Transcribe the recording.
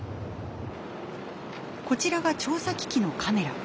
こちらが調査機器のカメラ。